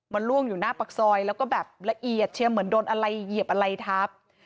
มันล่วงอยู่หน้าปากซอยแล้วก็แบบละเอียดเชียร์เหมือนโดนอะไรเหยียบอะไรทับ